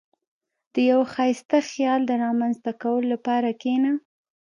• د یو ښایسته خیال د رامنځته کولو لپاره کښېنه.